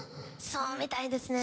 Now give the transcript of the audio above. そうみたいですね。